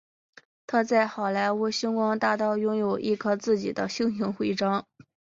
他在好莱坞星光大道拥有一颗自己的星形徽章。